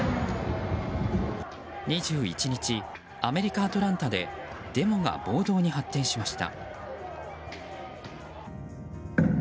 ２１日、アメリカ・アトランタでデモが暴動に発展しました。